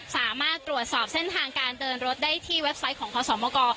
สามารถตรวจสอบเส้นทางการเดินรถได้ที่เว็บไซต์ของพศมก